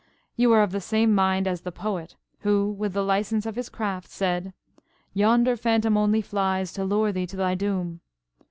"You are of the same mind as the poet, who, with the licence of his craft, said– 'Yonder phantom only flies To lure thee to thy doom.'"